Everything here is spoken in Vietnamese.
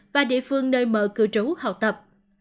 và địa phương nơi m cư trú học tập